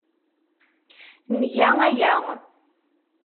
Nga aya.